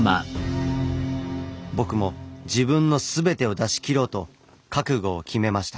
僕も自分の全てを出しきろうと覚悟を決めました。